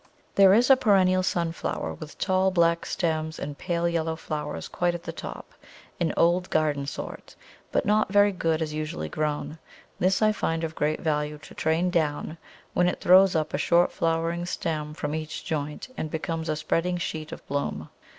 There is a perennial Sunflower, with tall black stems, and pale yellow flowers quite at the top, an old garden sort, but not very good as usually grown; this I find of great value to train down, when it throws up a short flowering stem from each joint, and becomes a spreading sheet of bloom.